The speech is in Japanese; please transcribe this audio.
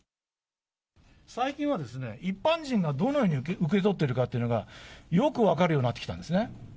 最近は、一般人がどのように受け取っているかというのが、よく分かるようになってきたんですね。